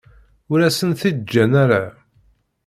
Ur asen-t-id-ǧǧan ara.